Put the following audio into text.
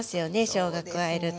しょうが加えると。